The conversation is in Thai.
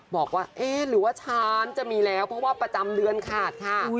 บอกว่าเอ๊ะหรือว่าช้านจะมีแล้วเพราะว่าประจำเดือนขาดค่ะ